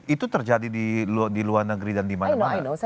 itu terjadi di luar negeri dan di mana mana